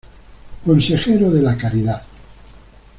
Consejero de "La Caridad".